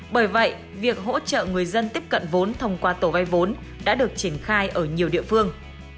bởi vậy việc hỗ trợ người dân tiếp cận vốn thông qua tổ vay vốn đã được triển khai ở nhiều địa phương